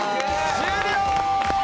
終了！